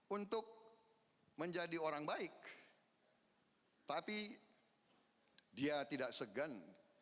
untuk menjadi orang baik tapi dia tidak segan